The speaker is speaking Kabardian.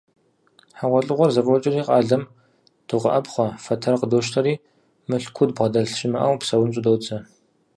ХьэгъуэлӀыгъуэр зэфӀокӀри къалэм дыкъоӀэпхъуэ, фэтэр къыдощтэри мылъкуу дбгъэдэлъ щымыӀэу псэун щӀыдодзэ.